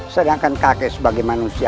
sedangkan kakek sebagai manusia